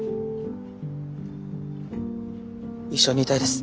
一緒にいたいです。